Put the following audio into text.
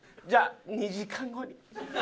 じゃあ２時間後に。